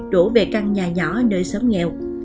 đổ về căn nhà nhỏ nơi xóm nghèo